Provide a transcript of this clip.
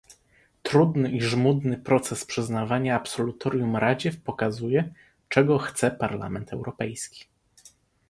Trudny i żmudny proces przyznawania absolutorium Radzie pokazuje, czego chce Parlament Europejski